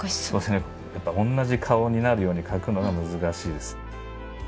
そうですねやっぱ同じ顔になるように描くのが難しいです。